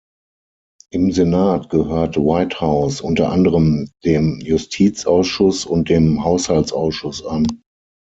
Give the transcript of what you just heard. Im Senat gehört Whitehouse unter anderem dem Justizausschuss und dem Haushaltsausschuss an.